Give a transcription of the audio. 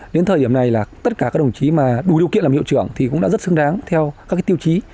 đến thời điểm này là tất cả các đồng chí mà đủ điều kiện làm hiệu trưởng thì cũng đã rất xứng đáng theo các tiêu chí